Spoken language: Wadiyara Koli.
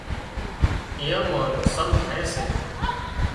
هانَ موٽُون نقصان ٿائي سي